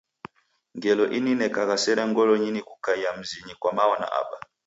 Ngelo ininekagha sere ngolonyi ni kukaia mzinyi kwa mao na aba.